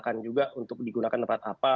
akan juga untuk digunakan tempat apa